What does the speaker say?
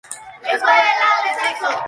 En sus primeros años, fue Bein Town Village.